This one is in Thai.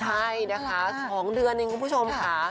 ใช่นะคะ๒เดือนเองคุณผู้ชมค่ะ